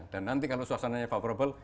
dan nanti kalau suasananya favorable